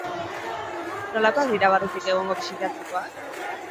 Nolakoak dira barrutik egungo psikiatrikoak?